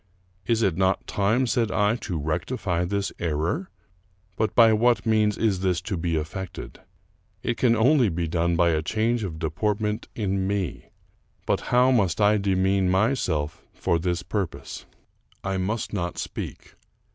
Is it not time, said I, to rectify this error? But by what means is this to be effected? It can only be done by a change of deportment in me ; but how must I demean myself for this purpose ? I must not speak.